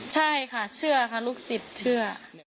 ใช่ค่ะเชื่อค่ะลูกศิษย์เชื่อ